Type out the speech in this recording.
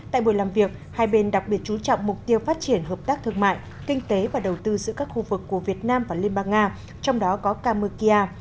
tại buổi làm việc hai bên đặc biệt chú trọng mục tiêu phát triển hợp tác thương mại kinh tế và đầu tư giữa các khu vực của việt nam và liên bang nga trong đó có kamukia